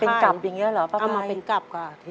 เป็นกับอย่างนี้หรือครับพระพัยเอามาเป็นกับค่ะ